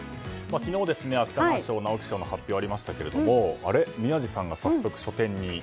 昨日、芥川賞、直木賞の発表がありましたがあれ、宮司さんが早速、書店に。